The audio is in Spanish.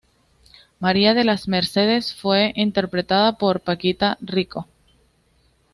María de las Mercedes fue interpretada por Paquita Rico.